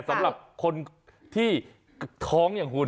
สำหรับคนที่ท้องอย่างคุณ